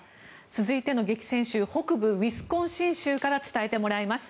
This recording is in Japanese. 続いての激戦州北部ウィスコンシン州から伝えてもらいます。